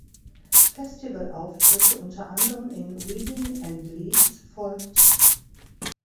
Festivalauftritte unter anderem in Reading and Leeds folgten.